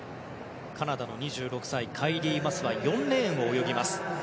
カナダの２６歳カイリー・マスは４レーンを泳ぎます。